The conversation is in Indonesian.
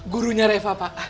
gurunya reva pak